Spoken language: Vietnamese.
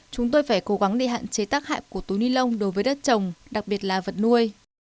chúng tôi phải cố gắng để hạn chế tác hại của túi ni lông đối với đất trồng đặc biệt là vật nuôi